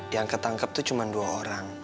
yang ketangkep tuh cuman dua orang